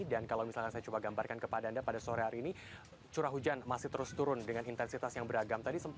dan kalau misalnya saya coba gambarkan kepada anda pada sore hari ini curah hujan masih terus turun dengan intensitas yang beragam